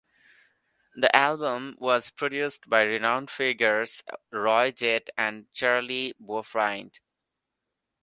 The album was produced by renowned figures Roy Z and Charlie Bauerfeind.